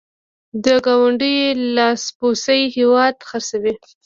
د ګاونډیو لاسپوڅي هېواد خرڅوي.